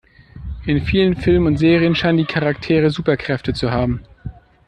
In vielen Filmen und Serien scheinen die Charaktere Superkräfte zu haben.